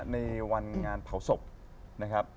ในวันงานเผาศพนะครับ